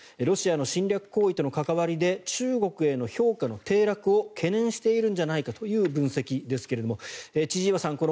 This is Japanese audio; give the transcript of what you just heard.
ロシアの侵略行為との関わりで中国への評価の低落を懸念しているんじゃないかという分析ですが千々岩さん